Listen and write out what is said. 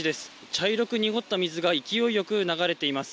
茶色く濁った水が勢いよく流れています。